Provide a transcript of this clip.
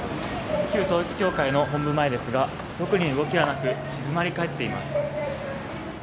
旧統一教会の本部前ですが特に動きはなく、静まり返っています。